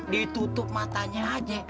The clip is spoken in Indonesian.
ditutup matanya aja